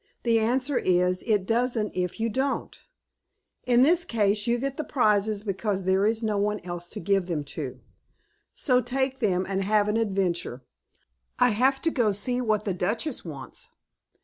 The answer is it doesn't if you don't. In this case you get the prizes because there is no one else to give them to. So take them and have an adventure. I have to go see what the Duchess wants."